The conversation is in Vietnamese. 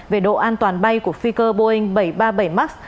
về độ an toàn bay của phi cơ boeing bảy trăm ba mươi bảy max